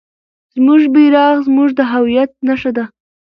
زموږ بیرغ زموږ د هویت نښه ده.